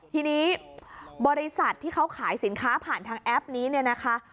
ทีนี้บริษัทที่เขาขายสินค้าผ่านทางแอปนี้เนี่ยนะคะ